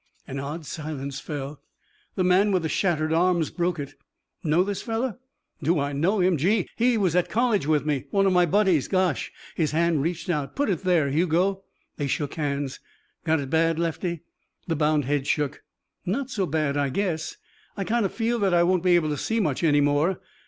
An odd silence fell. The man with the shattered arms broke it. "Know this fellow?" "Do I know him! Gee! He was at college with me. One of my buddies. Gosh!" His hand reached out. "Put it there, Hugo." They shook hands. "Got it bad, Lefty?" The bound head shook. "Not so bad. I guess I kind of feel that I won't be able to see much any more.